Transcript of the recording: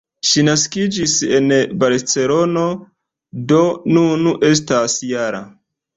Ŝi naskiĝis en Barcelono, do nun estas -jara.